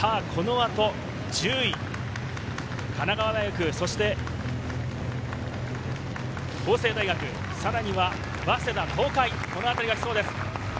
この後１０位・神奈川大学、そして法政大学、さらには早稲田、東海、このあたりが来そうです。